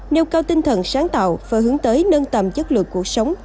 nêu cao tinh thần sáng tạo và hướng tới nâng tầm chất lượng cuộc sống